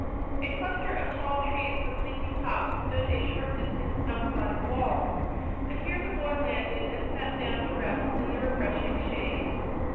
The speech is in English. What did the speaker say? A cluster of tall trees with leafy tops stood a short distance outside the walls, and here the boy landed and sat down to rest in the refreshing shade.